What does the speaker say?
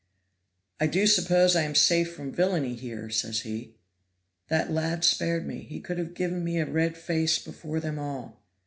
'I do suppose I am safe from villainy here,' says he. That lad spared me; he could have given me a red face before them all.